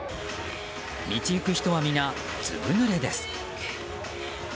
道行く人は皆、ずぶぬれです。